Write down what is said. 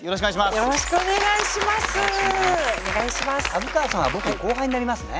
虻川さんは僕の後輩になりますね？